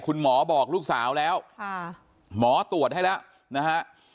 คุณหมอบอกลูกสาวแล้วหมอตรวจให้แล้วนะฮะ